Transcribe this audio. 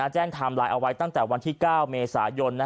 ไทม์ไลน์เอาไว้ตั้งแต่วันที่๙เมษายน